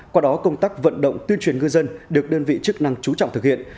qua đó công tác vận động tuyên truyền ngư dân được đơn vị chức năng chú trọng thực hiện